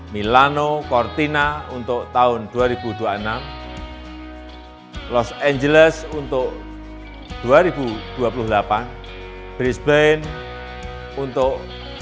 milano cortina untuk tahun dua ribu dua puluh enam los angeles untuk dua ribu dua puluh delapan brisbane untuk dua ribu tiga puluh dua